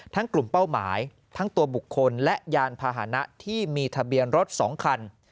กลุ่มเป้าหมายทั้งตัวบุคคลและยานพาหนะที่มีทะเบียนรถ๒คัน